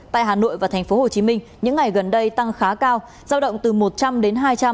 tại hà nội và tp hcm những ngày gần đây tăng khá cao giao động từ một trăm linh đến hai trăm linh